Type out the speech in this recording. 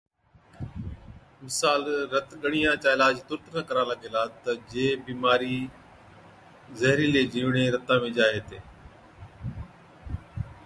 مثال، رت ڳڙِيان چا علاج تُرت نہ ڪرالا گيلا تہ جي بِيمارِي زهرِيلي جِيوڙين رتا ۾ جائي هِتين